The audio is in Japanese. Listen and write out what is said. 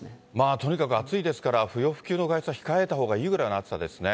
とにかく暑いですから、不要不急の外出は控えたほうがいいぐらいの暑さですね。